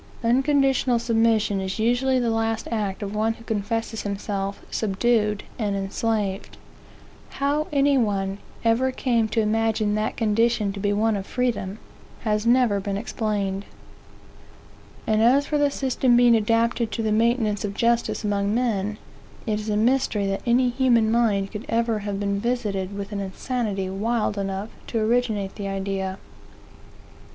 Unconditional submission is usually the last act of one who confesses himself subdued and enslaved. How any one ever came to imagine that condition to be one of freedom, has never been explained. And as for the system being adapted to the maintenance of justice among men, it is a mystery that any human mind could ever have been visited with an insanity wild enough to originate the idea.